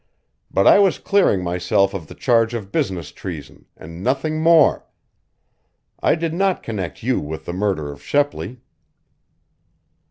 But I was clearing myself of the charge of business treason, and nothing more. I did not connect you with the murder of Shepley."